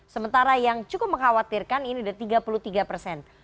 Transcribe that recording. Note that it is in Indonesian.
sementara yang cukup mengkhawatirkan ini ada tiga puluh tiga persen